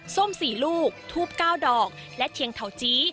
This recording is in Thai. ส้มสี่ลูกทูบก้าวดอกและเทียงเถาจี้